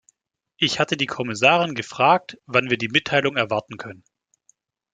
Ich hatte die Kommissarin gefragt, wann wir die Mitteilung erwarten können.